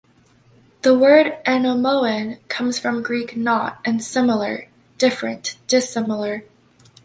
The word "anomoean" comes from Greek 'not' and 'similar': "different; dissimilar".